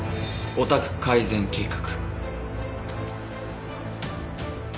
ヲタク改善計画。